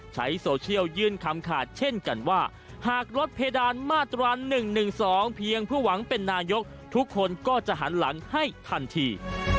ใช้โซเชียลยื่นคำขาดเช่นกันว่าหากลดเพดานมาตรา๑๑๒เพียงเพื่อหวังเป็นนายกทุกคนก็จะหันหลังให้ทันที